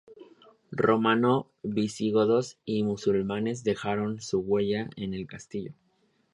Romanos, visigodos y musulmanes dejaron su huella en el castillo.